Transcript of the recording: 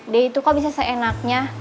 dia itu kok bisa seenaknya